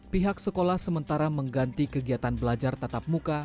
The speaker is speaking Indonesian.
pihak sekolah sementara mengganti kegiatan belajar tatap muka